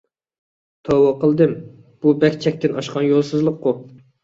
توۋا قىلدىم. بۇ بەك چەكتىن ئاشقان يولسىزلىققۇ؟